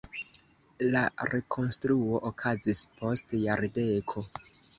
La rekonstruo okazis post jardeko.